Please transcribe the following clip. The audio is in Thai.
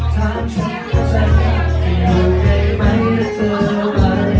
เทสปีให้ช่วย